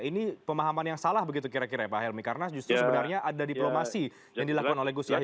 ini pemahaman yang salah begitu kira kira ya pak helmi karena justru sebenarnya ada diplomasi yang dilakukan oleh gus yah